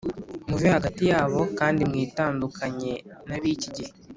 Muve hagati yabo kandi mwitandukanye na bikigihe